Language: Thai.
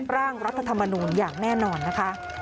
ร่างรัฐธรรมนูลอย่างแน่นอนนะคะ